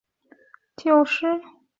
九十日币